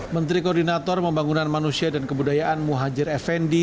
menteri koordinator pembangunan manusia dan kebudayaan muhajir effendi